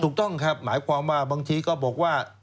ถูกต้องครับหมายความว่าบางทีก็บอกว่า